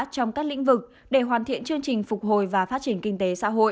trong các lĩnh vực để hoàn thiện chương trình phục hồi và phát triển kinh tế xã hội